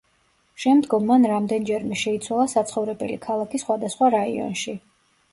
შემდგომ მან რამდენჯერმე შეიცვალა საცხოვრებელი ქალაქი სხვადასხვა რაიონში.